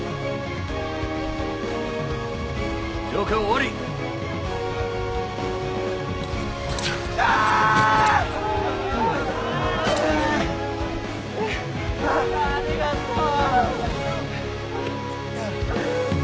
ありがとう。